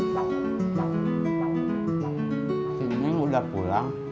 belom katanya belajar bersama dulu